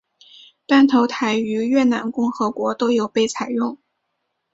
断头台于越南共和国都有被采用。